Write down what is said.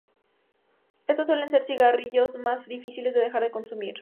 Estos suelen ser los cigarrillos más difíciles de dejar de consumir.